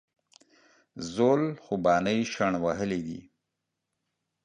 زول خوبانۍ شڼ وهلي دي